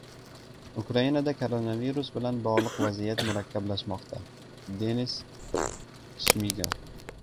Ukrainada koronavirus bilan bog‘liq vaziyat murakkablashmoqda — Denis Shmigal